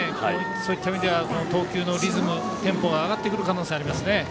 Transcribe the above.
そういった意味では投球のリズム、テンポが上がってくる可能性がありますね。